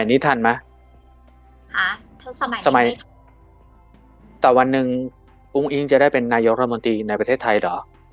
คิดทันมั้ยสมัยแต่วันหนึ่งอุ้งอิ๊งจะได้เป็นนายกรปนตรีในประเทศไทยเหรอ